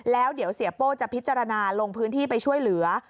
แล้วเดี๋ยวเสียโป้จะพิจารณาลงพื้นที่ไปช่วยเหลือ